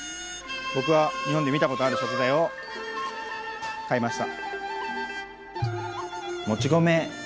僕は日本で見たことある食材を買いました。